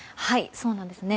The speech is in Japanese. そうなんですね。